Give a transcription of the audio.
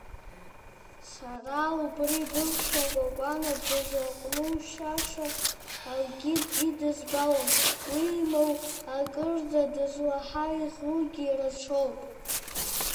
Сара, убри быԥшәма, Кәакәана, дызлаҟәнушьаша акгьы идызбалом, уимоу, акырӡа дызлаҳаиӷьугьы рацәоуп.